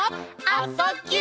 「あ・そ・ぎゅ」